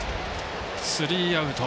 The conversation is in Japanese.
スリーアウト。